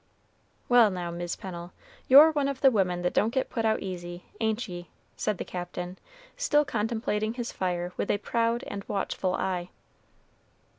"Well, now, Mis' Pennel, you're one of the women that don't get put out easy; ain't ye?" said the Captain, still contemplating his fire with a proud and watchful eye.